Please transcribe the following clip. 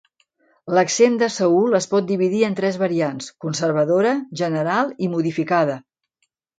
L'accent de Seül es pot dividir en tres variants: conservadora, general i modificada.